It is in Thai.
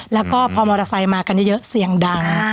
แล้วก็พอมอเตอร์ไซค์มากันเยอะเสียงดัง